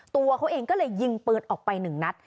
ตัวเขาเองก็เลยยิงปืนออกไปหนึ่งนัด